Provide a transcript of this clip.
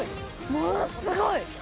ものすごい！